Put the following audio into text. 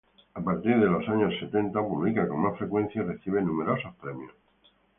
A partir de los años setenta, publica con más frecuencia y recibe numerosos premios.